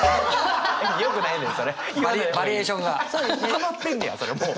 たまってんねやそれもう。